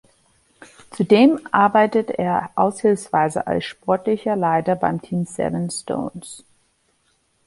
Zudem arbeitete er aushilfsweise als Sportlicher Leiter beim Team Seven Stones.